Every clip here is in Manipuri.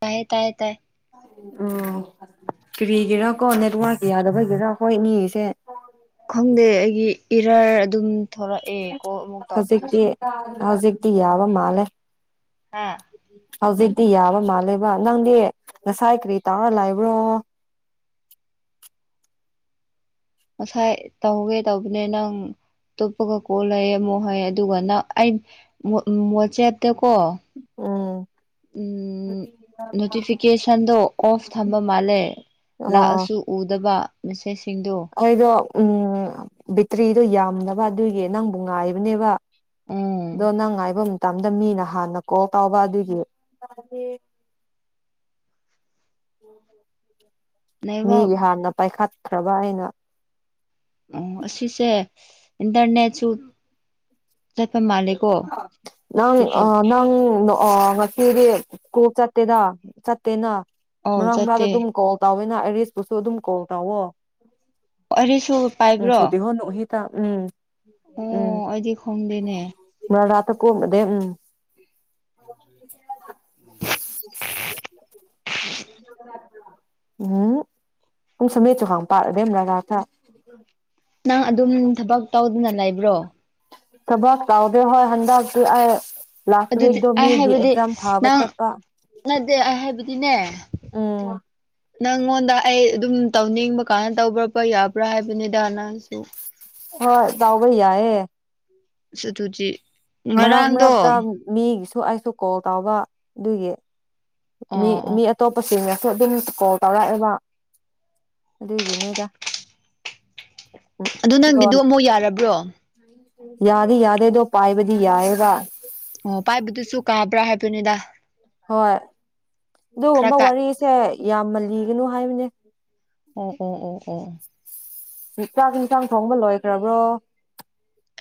ꯇꯥꯏ ꯇꯥꯏ ꯇꯥꯏ ꯎꯝ ꯀꯔꯤꯒꯤꯔꯥ ꯀꯣ ꯅꯦꯠꯋꯥꯔꯛ ꯌꯥꯗꯕꯒꯤꯔꯥ ꯍꯣꯏ ꯅꯤꯒꯤꯁꯦ꯫ ꯈꯪꯗꯦ ꯑꯩꯒꯤ ꯏꯔꯔ ꯑꯗꯨꯝ ꯊꯣꯛꯂꯛꯑꯦ ꯀꯣꯜ ꯑꯃꯨꯛ ꯍꯧꯖꯤꯛꯇꯤ ꯇꯧꯕꯗꯨꯁꯨ ꯍꯧꯖꯤꯛ ꯇꯤ ꯌꯥꯕ ꯃꯥꯂꯦ ꯍꯥꯥ ꯍꯧꯖꯤꯛꯇꯤ ꯌꯥꯕ ꯃꯥꯜꯂꯦꯕ ꯅꯪꯗꯤ ꯉꯁꯥꯏ ꯀꯔꯤ ꯇꯥꯔ ꯂꯥꯏꯕ꯭ꯔꯣ꯫ ꯉꯁꯥꯏ ꯇꯧꯒꯦ ꯇꯧꯕꯅꯦ ꯅꯪ ꯇꯣꯞꯄꯒ ꯀꯣꯜ ꯂꯩꯌꯦ ꯑꯃꯨꯛ ꯍꯣꯏ ꯑꯗꯨꯒ ꯅꯪ ꯑꯩ ꯃꫭꯋꯥꯦꯠꯇ ꯀꫭ ꯎꯝ ꯅꯣꯇꯤꯐꯤꯀꯦꯁꯟꯗꯣ ꯑꯣꯐ ꯊꯝꯕ ꯃꯥꯜꯂꯦ ꯂꯥꯛꯑꯁꯨ ꯎꯗꯕ꯫ ꯃꯁꯦꯁ ꯑꫭꯏꯗꫭ ꯎꯝ ꯕꯦꯇ꯭ꯔꯤꯗꯣ ꯌꯥꯝꯅꯕ ꯑꯗꯨꯏꯒꯤ ꯅꯪꯕꯨ ꯉꯥꯏꯕꯅꯦꯕ꯫ ꯎꯝ ꯗꯣ ꯅꯪ ꯉꯥꯏꯕ ꯇꯝꯗ ꯃꯤꯅ ꯍꯥꯟꯅ ꯀꯣꯜ ꯇꯥꯎꯕ ꯑꯗꯨꯒꯤ ꯎꯝ ꯅꯦꯠꯋꯥꯛ ꯃꯤꯒꯤ ꯍꯥꯟꯅ ꯄꯥꯏꯈꯠ ꯈ꯭ꯔꯕ ꯍꯥꯏꯅ ꯑꯣ ꯑꯁꯤꯁꯦ ꯏꯟꯇꯔꯅꯦꯠꯁꯨ ꯆꯠꯄ ꯃꯥꯜꯂꯦꯀꯣ ꯅꯪ ꯁꯤ ꯑ ꯅꯪ ꯑꫭ ꯀꯤꯗꯤ ꯁ꯭ꯀꯣꯜ ꯆꯠꯇꯦꯗ ꯆꯠꯇꯦꯅ꯫ ꯑꯧ ꯃꯔꯛ ꯆꯠꯇꯦ ꯃꯔꯛꯇꯗ ꯗꯨꯨꯝ ꯀꯣꯜ ꯇꯧꯋꯤ꯫ ꯅꯪ ꯑꯥꯏꯔꯤꯁꯄꯨꯁꯨ ꯑꯗꯨꯝ ꯀꫭꯜ ꯇꯧꯋꯣ꯫ ꯑꯥꯏꯥꯔꯤꯁꯨ ꯄꯥꯏꯕ꯭ꯔꯣ꯫ ꯇꯥ ꯎꯝ ꯎꯝ ꯑꯣ ꯑꯩꯗꯤ ꯈꯣꯡꯗꯦꯅꯦ꯫ [unintelligible] [inaudible] [unintelligible] ꯅꯪ ꯑꯗꯨꯝ ꯊꯕꯛ ꯇꯧꯗꯨꯅ ꯂꯩ ꯕ꯭ꯔꯣ ꯊꯕꯥꯛ ꯇꯥꯎꯗꯦ ꯍꯣꯏ ꯍꯟꯗꯛꯇꯤ ꯑꯩ ꯂꯥꯁ ꯑꯗꯨꯗꯤ ꯋꯤꯛꯇꯣ ꯑꯩ ꯃꯤꯒꯤ ꯍꯥꯏꯕꯗꯤ ꯑꯦꯛꯖꯥꯝ ꯊꯥꯕ ꯅꯪ ꯆꯠꯄ ꯅꯗꯦ ꯑꯩ ꯍꯥꯏꯕꯗꯤꯅꯦ ꯎꯝ ꯅꯪꯉꯣꯟꯗ ꯑꯩ ꯑꯗꯨꯝ ꯇꯧꯅꯤꯡꯕ ꯀꯥꯟꯅ ꯇꯧꯕ꯭ꯔꯕ꯭ꯔ ꯌꯥꯕ꯭ꯔꯥ ꯍꯥꯏꯕꯅꯤꯗ ꯅꯪꯁꯨ ꯗꯥꯎꯒ ꯌꯥꯏ ꯌꯦ ꯁꯗꯨꯗꯤ ꯃꯅꯥꯛ ꯃꯅꯥꯛ ꯇ ꯃꯤ ꯁꯨ ꯑꯩꯁꯨ ꯀꯣꯜ ꯇꯧꯕ ꯑꯗꯨꯒꯤ ꯃꯤ ꯑꯣ ꯑꯣ ꯃꯤ ꯑꯇꯣꯞꯄꯁꯤꯡ ꯑꯗꯨꯝ ꯀꯣꯜ ꯇꯧꯔꯛꯑꯦꯕ ꯑꯗꯨꯒꯤꯅꯤꯗ ꯑꯗꯨ ꯅꯪꯒꯤꯗꯨ ꯑꯃꯨꯛ ꯌꯥꯔꯕ꯭ꯔꯣ ꯌꯥꯗ ꯌꯥꯗꯦ ꯗꯣ ꯄꯥꯏꯕꯗꯤ ꯌꯥꯏꯕ ꯑꯣ ꯄꯥꯏꯕꯗꯨꯁꯨ ꯀꯥꯕ꯭ꯔꯥ ꯍꯥꯏꯕ ꯅꯤꯗꯥ ꯍꯣꯏ ꯑꯗꯨꯒꯕ ꯀꯥꯏ ꯋꯥꯔꯤꯁꯦ ꯌꯥꯝꯃꯜꯂꯤꯒꯅꯨ ꯍꯥꯏ ꯃꯅꯦ ꯑꯣ ꯑꯣ ꯑꯣ ꯑꯣ ꯆꯥꯛꯒꯤ ꯏꯟꯁꯥꯡ ꯊꯣꯡꯕ ꯂꯣꯏꯈ꯭ꯔꯕ꯭ꯔꯣ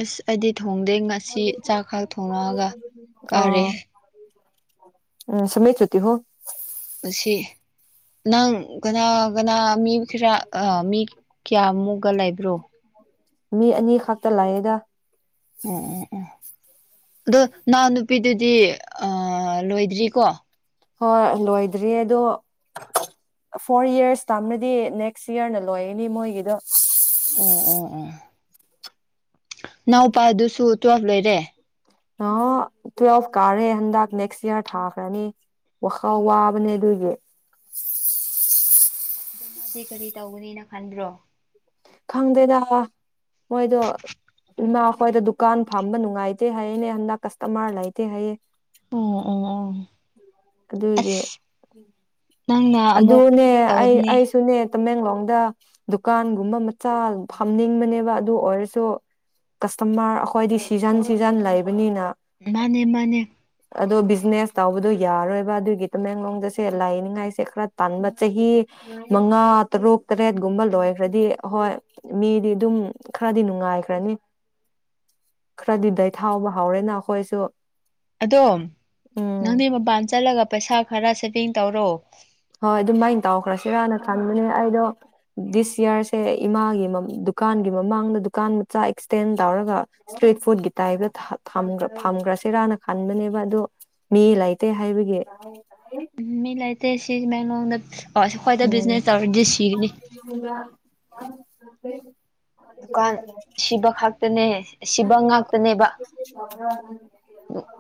ꯑꯁ ꯑꯩꯗꯤ ꯊꯣꯡꯗꯦ ꯉꯁꯤ ꯆꯥꯛ ꯈꯥꯛ ꯊꯣꯡꯡꯂꯛꯑꯒ ꯀꯥꯔꯦ ꯁꯃꯃꯦ ꯆꯇꯤ ꯍꯣ ꯑꯁꯤ ꯅꯪ ꯀꯅꯥ ꯀꯅꯥ ꯃꯤ ꯈꯔ ꯑ ꯃꯤ ꯀꯌꯥꯃꯨꯛ ꯒꯂꯥꯏꯕ꯭ꯔꯣ ꯃꯤ ꯑꯅꯤ ꯈꯛꯇ ꯂꯥꯛꯑꯦꯗ ꯑꯣ ꯑꯣ ꯑꯣ ꯑꯗꯣ ꯅꯍꯎ ꯅꯨꯄꯤꯗꯨꯗꯤ ꯂꯣꯏꯗ꯭ꯔꯤꯀꯣ ꯍꯣꯏ ꯂꯣꯏꯗ꯭ꯔꯤꯌꯦ ꯑꯗꯣ ꯐꯣꯔ ꯌꯔꯁ ꯇꯥꯝꯅꯗꯤ ꯅꯦꯛꯁ ꯌꯔꯅ ꯂꯣꯏꯅꯤ ꯃꯣꯏꯒꯤꯗꯣ ꯑꯣ ꯑꯣ ꯑꯣ ꯏꯅꯥꯎꯄꯥ ꯑꯗꯨꯁꯨ ꯇ꯭ꯋꯦꯜꯐ ꯂꯣꯏꯔꯦ ꯑ ꯇꯨꯋꯦꯜꯐ ꯀꯥꯔꯦ ꯍꯟꯗꯛ ꯅꯦꯛꯁ ꯏꯌꯥꯔ ꯊꯥꯈ꯭ꯔꯅꯤ ꯋꯥꯈ ꯋꯥꯕꯅꯦ ꯑꯗꯨꯒꯤ ꯑꯗꯨ ꯃꯥꯗꯤ ꯀꯔꯤ ꯇꯧꯒꯅꯤꯅ ꯈꯟꯕ꯭ꯔꯣ ꯈꯪꯗꯦꯗ ꯃꯣꯏꯗꯣ ꯏꯃꯥ ꯍꯣꯏꯗ ꯗꯨꯀꯥꯟ ꯐꯝꯕ ꯅꯨꯡꯉꯥꯏꯇꯦ ꯍꯥꯏꯌꯦꯅꯦ ꯍꯟꯗꯛ ꯀꯁꯇꯃꯔ ꯂꯩꯇꯦ ꯍꯥꯏꯌꯦ ꯑꯣ ꯑꯣ ꯑꯣ ꯑꯗꯨꯒꯤ ꯑꯁ ꯅꯪꯅ ꯑꯃꯨꯛ ꯑꯗꯨꯅꯦ ꯇꯧꯅꯤ ꯑꯩꯁꯨꯨꯅꯦ ꯇꯃꯦꯡꯂꯣꯡꯗ ꯗꯨꯀꯥꯟꯒꯨꯝꯕ ꯃꯆꯥ ꯐꯝꯅꯤꯡꯕꯅꯦꯕ ꯑꯗꯨ ꯑꯣꯏꯔꯁꯨ ꯀꯁꯇꯃꯔ ꯑꯩꯈꯣꯏꯗꯤ ꯁꯤꯖꯟ ꯁꯤꯖꯟ ꯂꯩꯕꯅꯤꯅ ꯃꯥꯅꯦ ꯃꯥꯅꯦ ꯑꯗꯣ ꯕꯤꯖꯤꯅꯦꯁ ꯇꯧꯕꯗꯣ ꯌꯥꯔꯣꯏꯕ ꯑꯗꯨꯒꯤ ꯇꯃꯦꯡꯂꯣꯡꯗꯁꯦ ꯂꯥꯏꯅꯤꯡꯉꯥꯏ ꯁꯦ ꯈꯔ ꯇꯥꯟꯕ ꯆꯍꯤ ꯃꯉꯥ ꯇꯔꯨꯛ ꯇꯔꯦꯠꯒꯨꯝꯕ ꯂꯣꯏꯈ꯭ꯔꯗꯤ ꯑꯩꯈꯣꯏ ꯃꯤꯗꯤ ꯑꯗꯨꯝ ꯈꯔꯗꯤ ꯅꯨꯡꯉꯥꯏꯈ꯭ꯔꯅꯤ ꯈꯔꯗꯤ ꯩ ꯊꯥꯎꯕ ꯍꯧꯎꯔꯦꯅ ꯑꯩꯈꯣꯏꯁꯨ ꯑꯗꯣ ꯎꯝ ꯅꯪꯅꯦ ꯃꯄꯥꯟ ꯆꯠꯂꯒ ꯄꯩꯁꯥ ꯈꯔ [unintelligible] ꯇꯧꯔꯣ ꯍꯣꯏ ꯑꯗꯨꯃꯥꯏꯅ ꯇꯥꯎꯈ꯭ꯔꯁꯤꯔꯥꯅ ꯈꯟꯕꯅꯦ ꯑꯩꯗꯣ ꯗꯤꯁ ꯌꯌꯥꯔꯁꯦ ꯏꯃꯥꯒꯤ ꯗꯨꯀꯥꯟꯒꯤ ꯃꯃꯥꯡꯗ ꯗꯨꯀꯥꯟ ꯃꯆꯥ ꯑꯦꯛꯁꯇꯦꯟ ꯇꯧꯔꯒ ꯏꯁꯇ꯭ꯔꯤꯠ ꯐꯨꯗꯀꯤ ꯇꯥꯏꯞꯇ ꯐꯝꯈ꯭ꯔꯁꯤꯔꯥꯅ ꯈꯟꯕꯅꯦꯕ ꯑꯗꯨꯗꯣ ꯃꯤ ꯂꯩꯇꯦ ꯍꯥꯏꯕꯒꯤ ꯎꯝ ꯃꯤ ꯂꯩ ꯇꯁꯤ ꯃꯌꯥꯝ ꯑ ꯁꯤ ꯈ꯭ꯋꯥꯏꯗ ꯎꯝ ꯕꯤꯖꯤꯅꯦꯁ ꯇꯧꯔꯗꯤ ꯁꯤꯒꯅꯤ ꯑ ꯑꯗꯨꯗ ꯗꯨꯀꯥꯟ ꯁꯤꯕ ꯈꯥꯛꯇꯅꯦ ꯁꯤꯕ ꯉꯥꯛꯇꯅꯦꯕ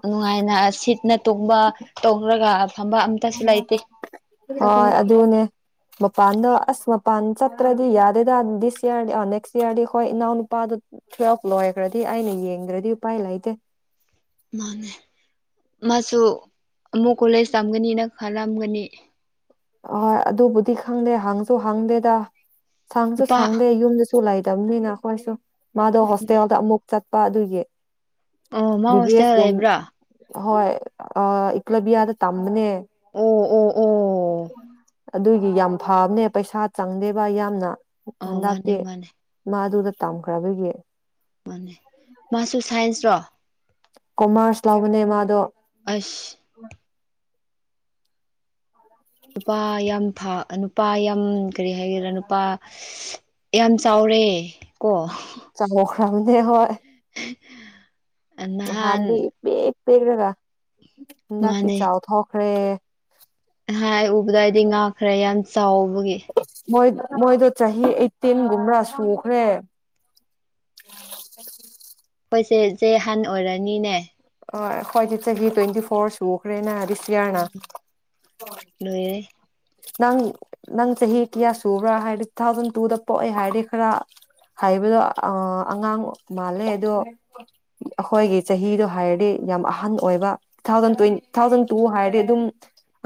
ꯅꯨꯡꯉꯥꯏꯅ ꯁꯤꯠꯅ ꯇꯣꯡꯕ ꯇꯧꯔꯒ ꯐꯝꯕ ꯑꯝꯇꯁꯨ ꯂꯩꯇꯦ ꯍꯣꯏ ꯆꯠꯀꯅꯨ ꯑꯗꯨꯅꯦ ꯃꯄꯥꯟꯗꯣ ꯑꯁ ꯃꯄꯥꯟ ꯆꯠꯇ꯭ꯔꯗꯤ ꯌꯥꯗꯦꯗ ꯗꯤꯁ ꯏꯔꯗꯤ ꯅꯦꯛꯁ ꯏꯌꯥꯔꯗꯤ ꯍꯣꯏ ꯏꯅꯥꯎ ꯅꯨꯄꯥꯗꯣ ꯇꯨꯋꯦꯜꯐ ꯂꯣꯏꯈ꯭ꯔꯗꯤ ꯑꯩꯅ ꯌꯦꯡꯗ꯭ꯔꯗꯤ ꯎꯄꯥꯏ ꯂꯩꯇꯦ ꯃꯥꯅꯦ ꯃꯥꯁꯨ ꯑꯃꯨꯛ ꯀꯣꯂꯦꯖ ꯇꯝꯒꯅꯤꯅ ꯈꯂꯝꯑꯝꯒꯅꯤ ꯑꯍꯣꯏ ꯑꯗꯨꯕꯨꯗꯤ ꯈꯪꯗꯦ ꯍꯪꯁꯨ ꯍꯥꯡꯗꯦꯗ ꯁꯥꯡ ꯆꯣ ꯅꯨꯄꯥ ꯁꯥꯡꯗꯦ ꯌꯨꯝ ꯆꯂꯥꯏꯗꯝ ꯅꯅ ꯀꯣꯏꯏꯁꯨꯣ ꯃꯥꯗ ꯍꯁꯒ ꯃꯨ ꯆ ꯄꯥꯥꯗꯨꯒꯤ ꯑꯣ ꯃꯥ ꯍꯁꯇ ꯂꯩꯕ꯭ꯔꯥ ꯍꯣꯏ ꯏꯀ꯭ꯂꯣꯕꯤꯌꯥꯗ ꯇꯝꯕꯅꯦ [inaudible] ꯑꯣ ꯑꯣ ꯑꯣ ꯑꯗꯨꯒꯤ ꯌꯥꯝ ꯐꯕꯅꯦ ꯄꯩꯁꯥ ꯆꯪꯗꯦꯕ ꯌꯥꯝꯅ ꯑꯣ ꯃꯥꯅꯦ ꯍꯗꯥꯛꯇ ꯃꯥꯅꯦ ꯃꯥꯗꯨꯗ ꯇꯝꯈ꯭ꯔꯕꯒꯤ ꯃꯅꯤ ꯃꯥꯁꯨ ꯁꯥꯏꯟꯁ ꯆ ꯀꯣꯃꯔꯁ ꯂꯥꯎꯕꯅꯦ ꯃꯥꯗꯣ ꯑꯁ ꯅꯨꯄꯥ ꯌꯥꯝ ꯅꯨꯄꯥ ꯌꯥꯝ ꯀꯔꯤ ꯍꯥꯏꯒꯦꯔꯥ ꯅꯨꯄꯥ ꯌꯥꯝ ꯆꯥꯎꯔꯦ ꯀꯣ ꯆꯣ ꯊꯥꯎꯗꯦ ꯍꯣꯏ [inaudible] ꯅꯍꯥꯟ ꯍꯗꯤ ꯄ꯭ꯔꯒ ꯅ ꯆꯑꯣ ꯊ ꯍ ꯑꯩꯈꯔꯦ ꯍꯥ ꯎꯕꯗꯏꯗꯤ ꯉꯈ꯭ꯔꯦ ꯌꯥꯝ ꯆꯥꯎꯥꯎ ꯑꯃꯦ ꯃꯣꯏ ꯃꯣꯏꯗꯣ ꯆꯍꯤ ꯑꯩꯠꯇꯤꯟꯒꯨꯝꯕ꯭ꯔꯥ ꯁꯨꯈ꯭ꯔꯦ ꯑꯩꯈꯣꯏꯁꯦ ꯍꯟ ꯑꯣꯏꯔꯅꯤꯅꯦ ꯑ ꯍꯣꯏꯗꯤꯠ ꯆꯍꯤ ꯇ꯭ꯋꯦꯟꯇꯤ ꯐꯣꯔ ꯁꯨꯈ꯭ꯔꯦꯅ ꯍꯥꯏ ꯍꯁꯤꯌꯥꯅꯥ ꯂꯣꯏꯔꯦ ꯅꯪ ꯅꯪ ꯆꯍꯤ ꯀꯌꯥ ꯁꯨꯕ꯭ꯔꯥ ꯍꯥꯏꯔꯗꯤ ꯇꯨ ꯊꯥꯎꯖꯟ ꯇꯨꯗ ꯄꯣꯛꯑꯦ ꯍꯥꯏꯔꯗꯤ ꯈꯔ ꯍꯥꯏꯕꯗꯣ ꯑꯉꯥꯡ ꯃꯥꯜꯂꯦ ꯑꯗꯣ ꯑꯩꯈꯣꯏꯒꯤ ꯆꯍꯤꯗꯣ ꯍꯥꯏꯔꯗꯤ ꯌꯥꯝ ꯑꯍꯟ ꯑꯣꯏꯕ two thousand twenty two thousand two ꯍꯥꯏꯔꯗꯤ ꯑꯗꯨꯝ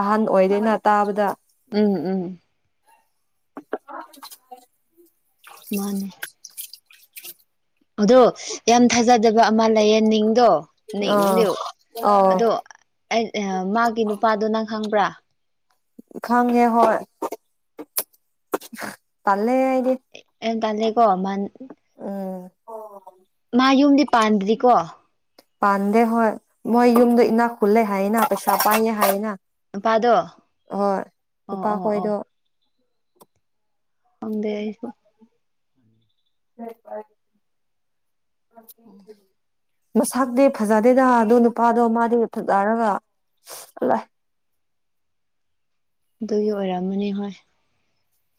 ꯑꯍꯟ ꯑꯣꯏꯗꯦꯅ ꯇꯥꯕꯗ ꯎꯝ ꯎꯝ [inaudible] ꯃꯥꯅꯦ ꯑꯗꯣ ꯌꯥꯝ ꯊꯥꯖꯗꯕ ꯑꯃ ꯂꯩꯌꯦ ꯅꯤꯡꯗꯣ ꯑꯥ ꯅꯤꯡꯗꯨ ꯑꯥꯎ ꯑꯗꯣ ꯃꯥꯒꯤ ꯅꯨꯄꯥꯗꯣ ꯅꯪ ꯈꯪꯕ꯭ꯔꯥ ꯈꯥꯉꯒꯦ ꯍ ꯇꯜꯦ ꯑꯗꯤ ꯇꯥꯦꯀꯣ ꯍꯃ ꯎꯝ ꯃꯥ ꯌꯨꯝꯗꯤ ꯄꯥꯟꯗ꯭ꯔꯤꯀꯣ ꯄꯥꯟꯗꯦ ꯍꯣꯏ ꯃꯣꯏ ꯌꯨꯝꯗ ꯏꯅꯥ ꯈꯨꯜꯂꯦ ꯍꯥꯏꯅ ꯄꯩꯁꯥ ꯄꯥꯏꯌꯦ ꯍꯥꯏꯅ ꯄꯥꯥꯗꯣ ꯑꯣ ꯑꯣ ꯑꯣ ꯅꯨꯄꯥꯈꯣꯏꯗꯣ ꯍꯗꯦꯁꯨ ꯍ ꯄꯔ [inaudible] ꯃꯁꯛꯇꯤ ꯐꯖꯗꯦꯗ ꯑꯗꯨ ꯅꯨꯄꯥꯗꯣ ꯃꯥꯗꯤ ꯃꯊꯠꯗꯥꯔꯒꯂꯥꯏ ꯑꯗꯨꯒꯤ ꯑꯣꯏꯔꯝꯃꯅꯤ ꯍꯣꯏ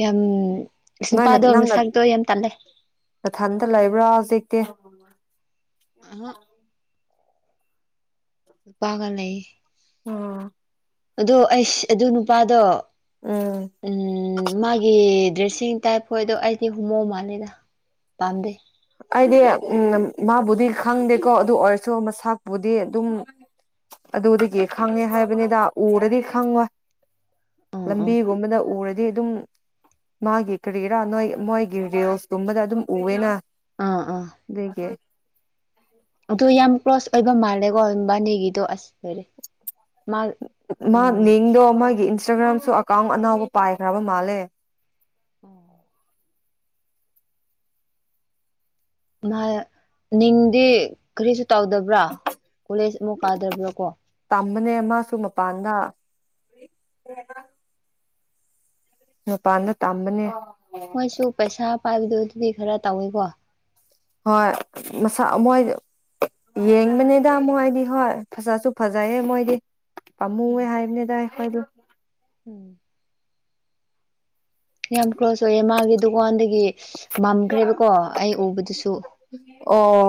ꯌꯥꯝ ꯅꯪꯅ ꯅꯨꯄꯥꯗꯣ ꯃꯁꯛꯇꯣ ꯌꯥꯝ ꯇꯜꯂꯦ ꯊꯟꯇ ꯂꯩꯕ꯭ꯔꯥ ꯍꯧꯖꯤꯛꯇꯤ ꯗꯤ ꯑꯍ ꯄꯥꯒ ꯂꯩ ꯑꯥ ꯑꯗꯣ ꯑꯩꯁ ꯑꯗꯨ ꯅꯨꯄꯥꯗꯣ ꯎꯝ ꯃꯥꯒꯤ ꯗ꯭ꯔꯦꯁꯤꯡ ꯇꯥꯏꯞ ꯍꯣꯏꯗꯣ ꯑꯩꯗꯤ ꯍꯨꯃꯧ ꯃꯥꯜꯂꯦꯗ ꯄꯥꯝꯗꯦ ꯑꯩꯗꯤ ꯎꯝ ꯃꯥꯕꯨꯗꯤ ꯈꯪꯗꯦꯀꯣ ꯑꯗꯨ ꯑꯣꯏꯔꯁꯨ ꯃꯁꯄꯨꯗꯤ ꯑꯗꯨꯝ ꯑꯗꯨꯗꯒꯤ ꯈꯪꯉꯦ ꯍꯥꯏꯕꯅꯤꯗ ꯎꯔꯗꯤ ꯈꯪꯉꯣꯏ ꯑꯥ ꯑꯥ ꯂꯝꯕꯤꯒꯨꯝꯕꯗ ꯎꯔꯗꯤ ꯗꯤ ꯑꯗꯨꯝ ꯃꯥꯒꯤ ꯀꯔꯤꯔꯥ ꯅꯣꯏ ꯃꯣꯏꯒꯤ ꯔꯤꯜꯁꯀꯨꯝꯕꯗ ꯑꯗꯨꯝ ꯎꯋꯦꯅ ꯑꯥ ꯗꯒꯦ ꯑꯗꯨ ꯌꯥꯝ ꯀ꯭ꯂꯣꯁ ꯑꯣꯏꯕ ꯃꯥꯜꯂꯦꯀꯣꯕꯥꯅꯦꯒꯤꯗꯣ ꯑꯁ ꯂꯣꯏꯔꯦ ꯃꯥ ꯃꯥ ꯎꯝ ꯅꯗꯣꯒꯤ ꯏꯟꯁꯇꯥꯒ꯭ꯔꯥꯝꯁꯨ ꯑꯦꯀꯥꯎꯟ ꯑꯅꯥꯕ ꯄꯥꯏꯈ꯭ꯔꯕ ꯃꯥꯜꯂꯦ ꯑꯣ ꯃꯥꯗꯦ ꯀꯔꯤꯁꯨ ꯇꯧꯗꯕ꯭ꯔꯥ ꯀꯣꯂꯦꯖ ꯑꯃꯨꯛ ꯀꯥꯗꯕ꯭ꯔꯥ ꯀꯣ ꯑꯃꯅꯦ ꯑꯁꯨ ꯃꯄꯥꯟꯗꯥ ꯃꯄꯥꯟꯗ ꯇꯝꯕꯅꯦ ꯃꯣꯏꯁꯨꯨ ꯄꯩꯁꯥ ꯄꯥꯏꯗ ꯑꯗꯨꯗꯤ ꯈꯔ ꯇꯧꯋꯦꯀꯣ ꯍꯣꯏ ꯃꯁ ꯃꯣꯏ ꯌꯦꯡꯕꯅꯤꯗ ꯃꯣꯏꯗꯤ ꯍꯣꯏ ꯐꯖꯁꯨ ꯐꯖꯩꯍꯦ ꯃꯣꯏꯗꯤ ꯎꯝ ꯑꯝꯃꯨꯦ ꯍꯥꯏꯅꯦꯗꯥ ꯑꯗꯨꯗ ꯎꯝ ꯌꯥꯝ ꯀ ꯀ꯭ꯂꯣꯁ ꯌꯦ ꯃꯥꯒꯗꯨꯒꯣꯟ ꯒꯤ ꯃꯝꯈ꯭ꯔꯦꯕꯀꯣ ꯑꯩ ꯎꯕꯗꯨꯁꯨ ꯑꯣ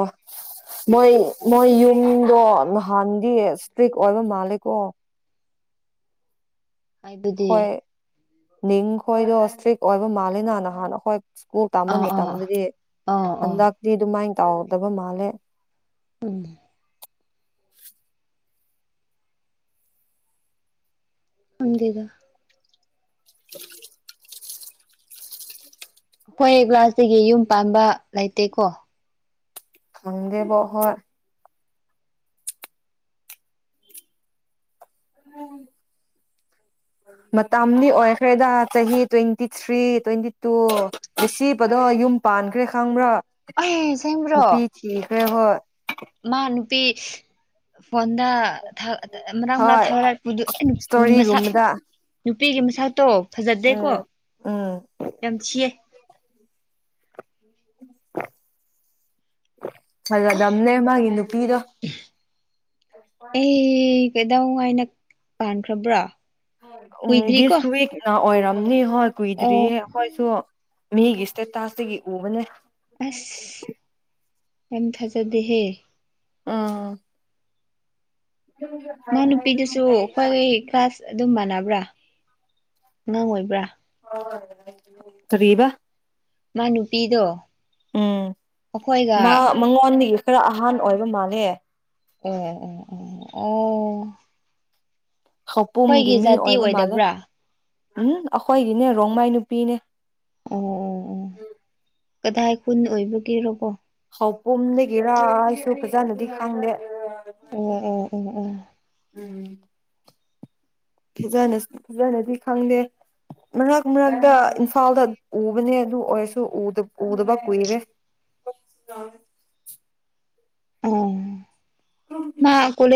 ꯃꯣꯏ ꯃꯣꯏ ꯌꯨꯝꯗꯣ ꯅꯍꯥꯟꯗꯤ ꯏꯁꯇ꯭ꯔꯤꯛ ꯑꯣꯏꯕ ꯃꯥꯜꯂꯦꯀꯣ ꯍꯥꯏꯕꯗꯤ ꯍꯣꯏ ꯅꯤꯡ ꯍꯣꯏꯗ ꯛ ꯑꯣꯏꯕ ꯃꯥꯜꯜꯂꯤꯦ ꯅ ꯍꯥꯟ ꯍꯣꯏ ꯁ꯭ꯀꯨꯜ ꯇꯥꯝꯕ ꯑꯥ ꯑꯥ ꯃꯇꯝꯗꯗꯤ ꯑꯥ ꯑꯥ ꯍꯟꯗꯛꯇꯤ ꯑꯗꯨꯃꯥꯏꯅ ꯇꯥꯎꯗꯕ ꯃꯥꯜꯂꯦ ꯎꯝ ꯑꯣꯗꯗ [inaudible] ꯍꯈꯣꯏ ꯀ꯭ꯂꯒ꯭ꯂꯥꯁꯇꯒꯤ ꯌꯨꯝ ꯄꯥꯟꯕ ꯂꯩꯇꯦꯀꯣ ꯑꯗꯦꯕꯍꯣꯏ ꯃꯇꯝꯗꯤ ꯑꯣꯏꯈ꯭ꯔꯦꯗ ꯆꯍꯤ ꯇ꯭ꯋꯦꯟꯇꯤ ꯊ꯭ꯔꯤ ꯇ꯭ꯋꯦꯟꯇꯤ ꯇꯨ ꯁꯤꯕꯗꯣ ꯌꯨꯝ ꯄꯥꯟꯈ꯭ꯔꯦ ꯈꯪꯕ꯭ꯔꯥ ꯑ ꯁꯦꯝꯕ꯭ꯔꯣ ꯅꯨꯄꯤ ꯊꯤꯈ꯭ꯔꯦ ꯍꯣꯏ ꯃꯥ ꯑꯅꯄꯤ ꯐꯣꯟꯗ ꯃꯛ ꯃꯔꯛ ꯍꯣꯏ ꯊꯥꯛꯄꯗꯨ ꯃꯁꯛ ꯏꯁꯇꯣꯔꯤꯒꯨꯝꯕꯗ ꯅꯨꯄꯤꯒꯤ ꯃꯁꯇꯣ ꯐꯖꯗꯦꯀꯣ ꯎꯝ ꯎꯝ ꯌꯥꯝ ꯊꯤꯌꯦ [inaudible] ꯁꯂꯗꯝꯗꯝꯅꯦ ꯃꯥꯒꯤ ꯅꯨꯄꯤꯗꯣ ꯀꯩꯗꯧꯉ ꯍꯥꯏꯅ ꯀꯥꯟꯈ꯭ꯔꯕ꯭ꯔꯥ ꯎꯝ ꯁ ꯎꯋꯤꯛ ꯅ ꯑꯣꯔꯝ [unintelligible] ꯍꯣꯏ ꯀꯨꯏꯗ꯭ꯔꯤ ꯑꯣ ꯑꯩꯈꯣꯏꯁꯨ ꯃꯤꯒꯤ ꯏꯁꯇꯦꯇꯥꯁꯇꯒꯤ ꯎꯕꯅꯦ [inaudible] ꯑꯁ ꯌꯥꯝ ꯊꯥꯖꯗꯦꯍꯦ ꯎꯝ ꯃꯥ ꯅꯨꯄꯤꯗꯨꯁꯨ ꯑꯩꯈꯣꯏ ꯀ꯭ꯂꯥꯁ ꯑꯗꯨꯝ ꯃꯥꯟꯅꯕ꯭ꯔꯥ ꯑꯉꯥꯡ ꯑꯣꯏꯕ꯭ꯔꯥ ꯇꯔꯤꯕ ꯃꯥꯅ ꯅꯨꯄꯤꯗꯣ ꯎꯝ ꯑꯩꯈꯣꯏꯒ ꯃꯥ ꯃꯉꯣꯟꯗꯒꯤ ꯈꯔ ꯑꯍꯥꯟ ꯑꯣꯏꯕ ꯃꯥꯜꯂꯦ ꯑꯣ ꯑꯣ ꯑꯣ ꯑꯣ ꯈꯧꯄꯨꯝꯒꯤ ꯑꯩꯈꯣꯏꯒꯤ ꯃꯤ ꯖꯥꯇꯤ ꯑꯣꯏꯕ ꯃꯥꯜꯂꯦ ꯑꯣꯏꯗꯕ꯭ꯔꯥ ꯎꯝ ꯑꯩꯈꯣꯏꯒꯤꯅꯦ ꯔꯣꯡꯃꯥꯏ ꯅꯨꯄꯤꯅꯦ ꯑꯣ ꯑꯣ ꯑꯣ ꯀꯗꯥꯏ ꯈꯨꯨꯟ ꯑꯣꯏꯕꯒꯦꯔꯔꯕꯣ ꯄꯨꯝꯗꯒꯤꯔꯥ ꯑꯩꯁꯨ ꯐꯖꯅꯗꯤ ꯈꯪꯗꯦ ꯎꯝ ꯎꯝ ꯎꯝ ꯎꯝ ꯎꯝ ꯐꯖꯅ ꯐꯖꯅꯗꯤ ꯈꯪꯗꯦ ꯃꯔꯛ ꯃꯔꯛꯇ ꯏꯝꯐꯥꯜꯗ ꯎꯕꯅꯦ ꯑꯗꯨ ꯑꯣꯏꯔꯁꯨ ꯎꯗꯕ ꯀꯨꯏꯔꯦ ꯑꯣ ꯑ ꯃꯥ ꯀꯣꯅꯦ